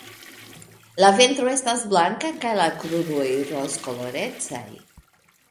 La ventro estas blanka kaj la kruroj rozkolorecaj.